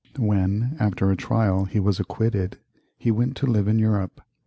When, after a trial, he was acquitted, he went to live in Europe.